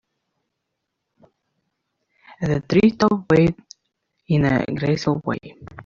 The tree top waved in a graceful way.